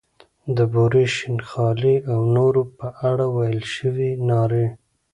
د بورې، شین خالۍ او نورو په اړه ویل شوې نارې.